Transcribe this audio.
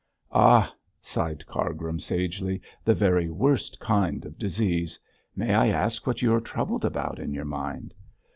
'Ah!' sighed Cargrim, sagely, 'the very worst kind of disease. May I ask what you are troubled about in your mind?'